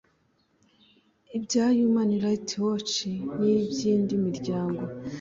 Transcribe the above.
ibya Human Rights Watch n'iby'indi miryango